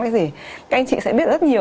cái gì các anh chị sẽ biết rất nhiều